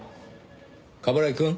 冠城くん？